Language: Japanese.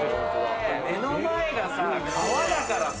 目の前がさ川だからさ